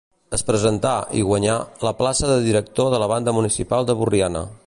Es presentà, i guanyà, la plaça de director de la banda municipal de Borriana.